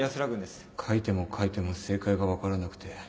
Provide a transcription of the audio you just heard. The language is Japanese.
書いても書いても正解が分からなくて